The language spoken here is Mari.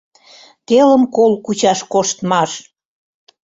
ТЕЛЫМ КОЛ КУЧАШ КОШТМАШ